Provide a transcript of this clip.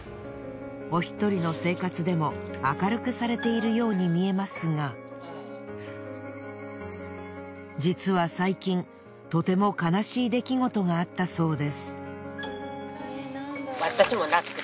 お１人の生活でも明るくされているように見えますが実は最近とても悲しい出来事があったそうです。